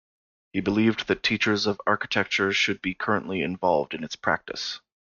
He believed that teachers of architecture should be currently involved in its practice.